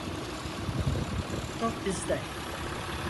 Top bizde.